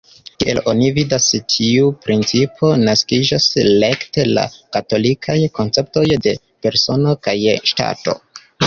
Kiel oni vidas tiu principo naskiĝas rekte la katolikaj konceptoj de "persono" kaj "ŝtato".